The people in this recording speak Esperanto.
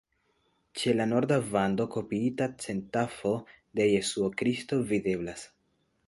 Ĉe la norda vando kopiita centafo de Jesuo Kristo videblas.